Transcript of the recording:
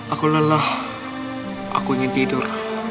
aku lelah aku ingin tidur